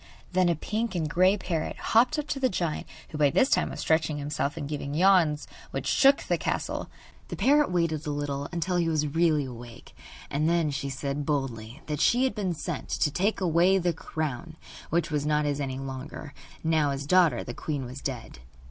Then a pink and grey parrot hopped up to the giant, who by this time was stretching himself and giving yawns which shook the castle. The parrot waited a little, until he was really awake, and then she said boldly that she had been sent to take away the crown, which was not his any longer, now his daughter the queen was dead.